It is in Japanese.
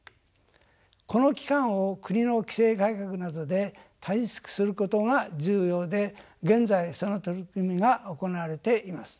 この期間を国の規制改革などで短縮することが重要で現在その取り組みが行われています。